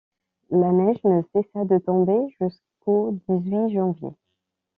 La neige ne cessa de tomber jusqu’au dix-huit janvier.